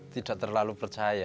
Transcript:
tidak terlalu percaya